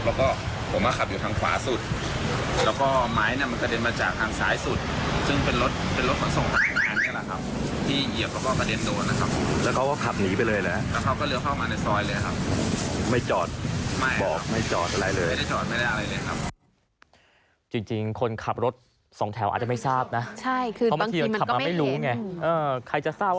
ครับเขาก็เลือกเข้ามาในซ้อยเลยครับ